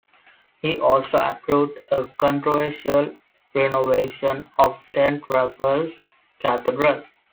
He also approved a controversial renovation of Saint Raphael's Cathedral.